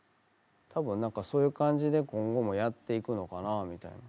多分何かそういう感じで今後もやっていくのかなあみたいな。